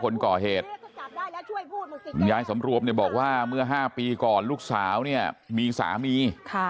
คนก่อเหตุคุณยายสำรวมเนี่ยบอกว่าเมื่อ๕ปีก่อนลูกสาวเนี่ยมีสามี